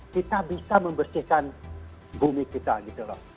kita bisa membersihkan bumi kita gitu loh